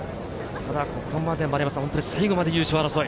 ただここまで、本当に最後まで優勝争い。